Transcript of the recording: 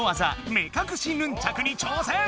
目かくしヌンチャクに挑戦！